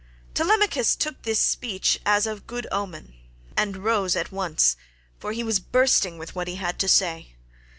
Telemachus took this speech as of good omen and rose at once, for he was bursting with what he had to say.